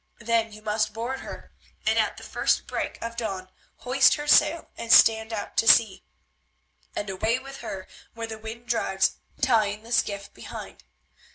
Then you must board her, and at the first break of dawn hoist her sail and stand out to sea, and away with her where the wind drives, tying the skiff behind.